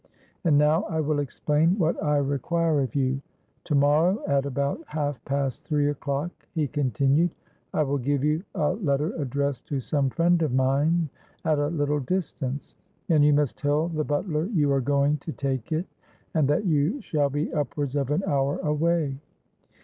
'And now I will explain what I require of you. To morrow at about half past three o'clock,' he continued, 'I will give you a letter addressed to some friend of mine at a little distance; and you must tell the butler you are going to take it, and that you shall be upwards of an hour away.